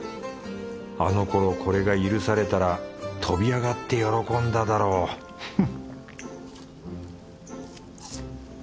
あのころこれが許されたら跳び上がって喜んだだろうフン